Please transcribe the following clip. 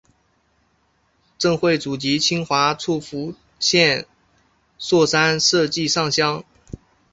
郑橞祖籍清华处永福县槊山社忭上乡。